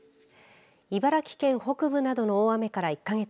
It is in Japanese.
茨城県北部などの大雨から１か月。